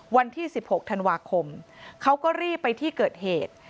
วันที่๑๖ธันวาคมเขาก็รีบไปที่เกิดเหตุ